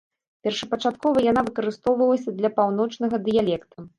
Першапачаткова яна выкарыстоўвалася для паўночнага дыялекта.